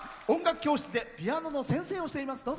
音楽教室でピアノの先生をしています。